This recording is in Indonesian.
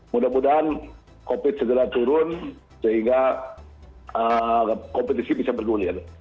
mudah mudahan covid segera turun sehingga kompetisi bisa bergulir